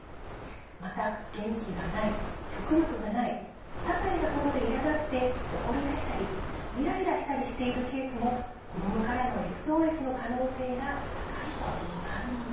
また、元気がない、食欲がないささいなことでいらだって怒りだしたりイライラしたりしているケースも子どもからのＳＯＳの可能性が高いといいます。